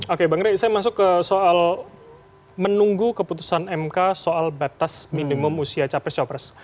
oke bang rey saya masuk ke soal menunggu keputusan mk soal batas minimum usia capres capres